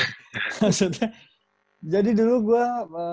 maksudnya jadi dulu gue